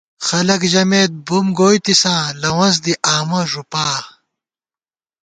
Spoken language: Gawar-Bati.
خلَک ژَمېت بُم گوئیتِساں، لوَنس دِی آمہ ݫُپا